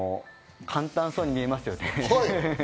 簡単そうに見えますよね。